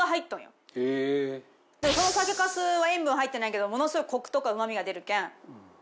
その酒粕は塩分入ってないけどものすごくコクとかうまみが出るけん。